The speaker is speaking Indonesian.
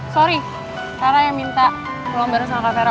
sorry tara yang minta pelombaran sama kak tero